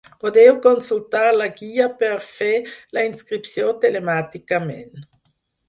Podeu consultar la guia per fer la inscripció telemàticament.